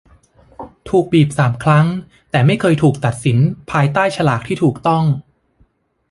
ถูกบีบสามครั้ง แต่ไม่เคยถูกตัดสินภายใต้ฉลากที่ถูกต้อง